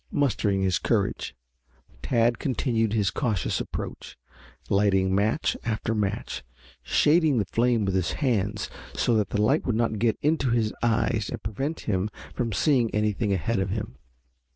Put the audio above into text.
Mustering his courage, Tad continued his cautious approach, lighting match after match, shading the flame with his hands so that the light would not get into his eyes and prevent him from seeing anything ahead of him.